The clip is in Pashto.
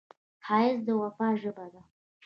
ښایست د وفا ژبه ده